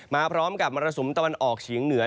มาพร้อมกับมรสุมตะวันออกเฉียงเหนือ